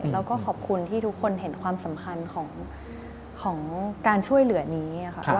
แล้วก็ขอบคุณที่ทุกคนเห็นความสำคัญของการช่วยเหลือนี้ค่ะ